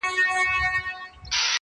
یا دي کډه له خپل کوره بارومه,